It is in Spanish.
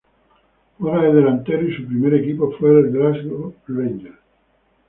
Juega de delantero y su primer equipo fue el Glasgow Rangers.